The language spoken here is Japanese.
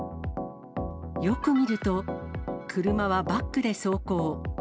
よく見ると、車はバックで走行。